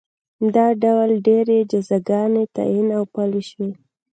دا ډول ډېرې جزاګانې تعین او پلې شوې